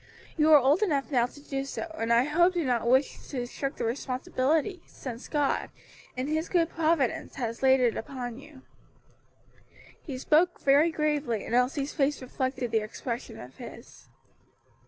You are old enough now to do so, and I hope do not wish to shirk the responsibility, since God, in His good providence, has laid it upon you." He spoke very gravely and Elsie's face reflected the expression of his.